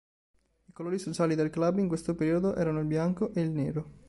I colori sociali del club in questo periodo erano il bianco e il nero.